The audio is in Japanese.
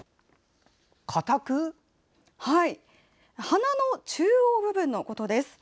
花の中央部分のことです。